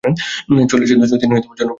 চল্লিশের দশকে তিনি জনপ্রিয়তার শীর্ষে ওঠেন।